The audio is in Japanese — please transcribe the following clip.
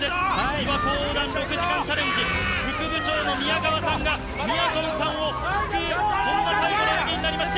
びわ湖横断６時間チャレンジ、副部長の宮川さんが、みやぞんを救う、そんな最後の泳ぎになりました。